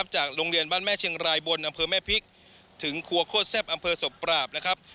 จากโรงเรียนบ้านแม่เชียงรายบนอำเภอแม่พริกถึงครัวโคตรแซ่บอำเภอศพปราบนะครับ